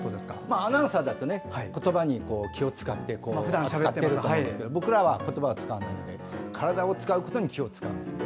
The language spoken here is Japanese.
アナウンサーだと、言葉に気を使っていると思うんですけど僕らは言葉は使わないので体を使うことに気を使うんです。